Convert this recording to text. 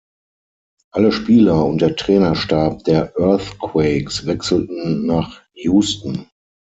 Alle Spieler und der Trainerstab der Earthquakes wechselten nach Houston.